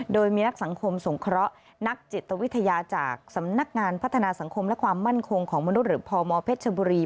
โดยมีนักสังคมสงเคราะห์นักจิตวิทยาจากสำนักงานพัฒนาสังคมและความมั่นคงของมนุษย์หรือพมเพชรชบุรี